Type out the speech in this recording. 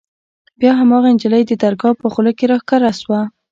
بيا هماغه نجلۍ د درګاه په خوله کښې راښکاره سوه.